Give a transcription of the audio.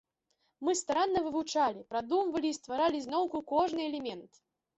Мы старанна вывучалі, прадумвалі і стваралі зноўку кожны элемент.